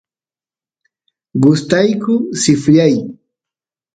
gustayku sifryay